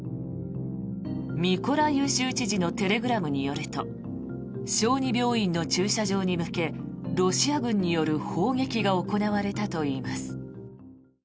ミコライウ州知事のテレグラムによると小児病院の駐車場に向けロシア軍による砲撃が行われたといいます。